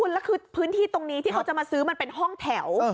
แล้วคือพื้นที่ตรงนี้ที่เขาจะมาซื้อมันเป็นห้องแถว